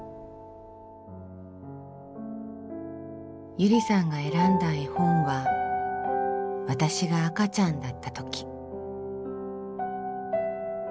ゆりさんが選んだ絵本は「わたしがあかちゃんだったとき」。